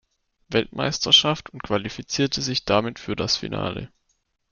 Weltmeisterschaft und qualifizierte sich damit für das Finale.